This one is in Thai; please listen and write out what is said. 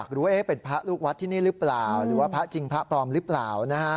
รู้ว่าเป็นพระลูกวัดที่นี่หรือเปล่าหรือว่าพระจริงพระปลอมหรือเปล่า